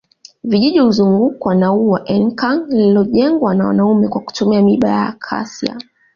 Vijiji huzungukwa na ua Enkang lililojengwa na wanaume kwa kutumia miiba ya acacia